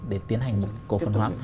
để tiến hành một cổ phần hóa